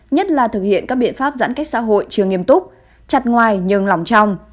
nhất là thực hiện các biện pháp giãn cách xã hội chưa nghiêm túc chặt ngoài nhường lòng trong